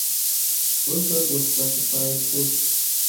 Rosberg was classified fourth.